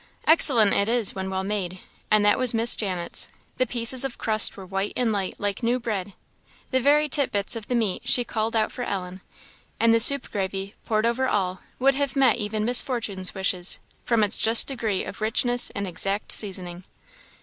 Excellent it is when well made, and that was Miss Janet's. The pieces of crust were white and light like new bread; the very tit bits of the meat she culled out for Ellen; and the soup gravy, poured over all, would have met even Miss Fortune's wishes, from its just degree of richness and exact seasoning.